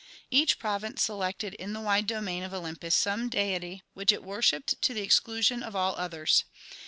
Each province selected in the wide domain of Olympus some deity which it worshipped to the exclusion of all others.